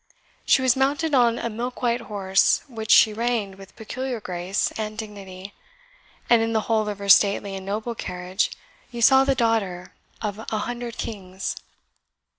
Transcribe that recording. She was mounted on a milk white horse, which she reined with peculiar grace and dignity; and in the whole of her stately and noble carriage you saw the daughter of an hundred kings.